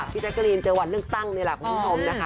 พี่แจ๊กรีนเจอวันเรื่องตั้งในหลักคุณผู้ชมนะคะ